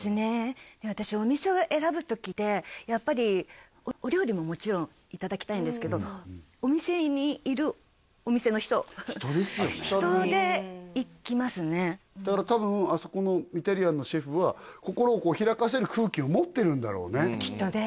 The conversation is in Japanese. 私お店を選ぶ時でやっぱりお料理ももちろんいただきたいんですけどお店にいるお店の人人ですよね人で行きますねだから多分あそこのイタリアンのシェフは心を開かせる空気を持ってるんだろうねきっとね